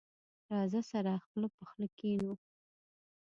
راځه، سره خله په خله کېنو.